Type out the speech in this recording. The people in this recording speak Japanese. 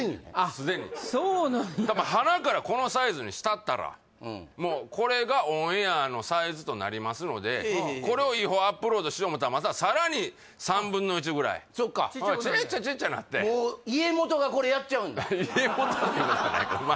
すでにそうなんやはなからこのサイズにしたったらこれがオンエアのサイズとなりますのでこれを違法アップロードしよう思ったらまたさらに３分の１ぐらいそっかちっちゃちっちゃなって家元ってことはないけどま